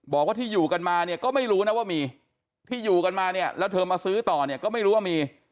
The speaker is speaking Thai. บอกว่าที่อยู่กันมาเนี่ยก็ไม่รู้นะว่ามีที่อยู่กันมาเนี่ยแล้วเธอมาซื้อต่อเนี่ยก็ไม่รู้ว่ามี